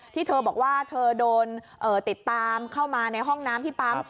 ที่เธอบอกว่าเธอโดนติดตามเข้ามาในห้องน้ำที่ปั๊ม